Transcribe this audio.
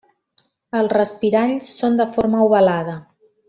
Els respiralls són de forma ovalada.